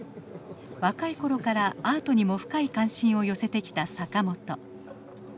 若い頃からアートにも深い関心を寄せてきた坂本。